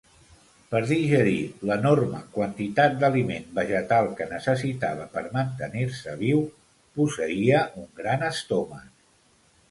Per digerir l'enorme quantitat d'aliment vegetal que necessitava per mantenir-se viu, posseïa un gran estómac.